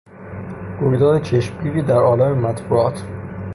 رویداد چشمگیری در عالم مطبوعات